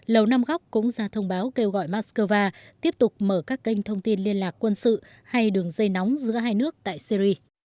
lầu năm góc cũng ra thông báo kêu gọi moscow tiếp tục mở các kênh thông tin liên lạc quân sự hay đường dây nóng giữa hai nước tại syri